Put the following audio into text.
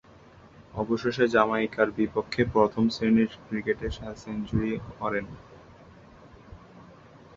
অবশেষে জামাইকার বিপক্ষে প্রথম-শ্রেণীর ক্রিকেটে সেঞ্চুরি করেন।